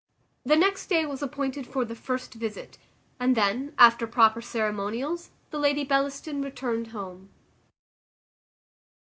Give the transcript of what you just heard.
The next day was appointed for the first visit, and then, after proper ceremonials, the Lady Bellaston returned home.